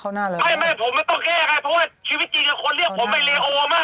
เข้าหน้าแล้วนะครับไม่ผมไม่ต้องแก้ค่ะเพราะว่าชีวิตจริงกับคน